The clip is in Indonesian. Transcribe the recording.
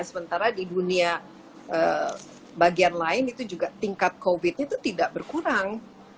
sementara di dunia bagian lain itu juga tingkat covid nya itu tidak berkurang